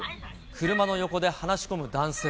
車の横で話し込む男性。